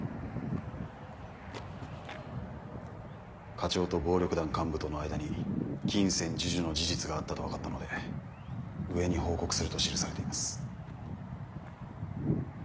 課長と暴力団幹部との間に金銭授受の事実があったと分かったので上に報告すると記されています。